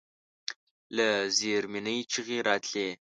له زيرزمينې چيغې راتلې.